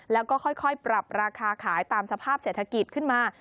แล้วก็ค่อยปรับราคาขายตามสภาพเศรษฐกิจขึ้นมา